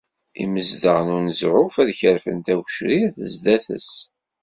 Imezdaɣ n uneẓruf ad kerfen tagecrirt sdat-s.